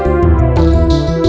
ujang mau dibunuh